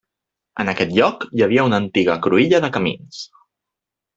En aquest lloc hi havia una antiga cruïlla de camins.